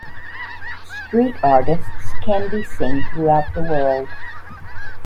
Street artists can be seen throughout the world.